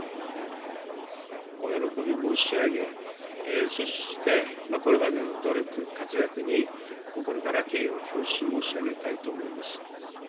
お喜び申し上げ、そしてこれまでの努力、活躍に心から敬意を表し申し上げたいと思います。